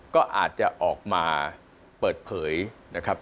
ก็อาจจะออกมาเปิดเผยนะครับ